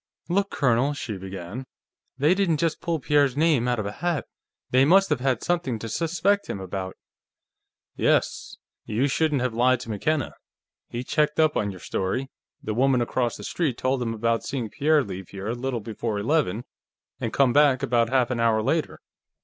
"Look, Colonel," she began. "They didn't just pull Pierre's name out of a hat. They must have had something to suspect him about." "Yes. You shouldn't have lied to McKenna. He checked up on your story; the woman across the street told him about seeing Pierre leave here a little before eleven and come back about half an hour later."